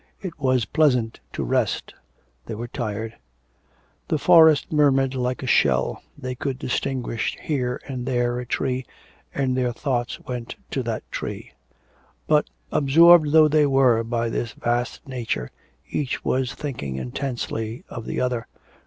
It was pleasant to rest they were tired. The forest murmured like a shell. They could distinguish here and there a tree, and their thoughts went to that tree. But, absorbed though they were by this vast nature, each was thinking intensely of the other.